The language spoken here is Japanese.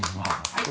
・はい。